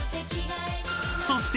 ［そして］